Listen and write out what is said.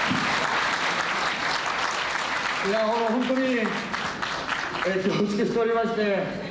本当に恐縮しておりまして。